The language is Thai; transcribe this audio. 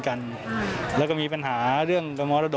มันเป็นเรื่อง